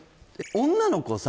女の子さ